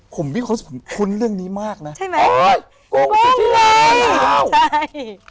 ผมไม่คิดว่าคุณเรื่องนี้มากนะใช่ไหมโอ้ยกุ้งสุธิราชเคยมาเล่าใช่